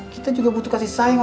kita juga butuh kasih sayang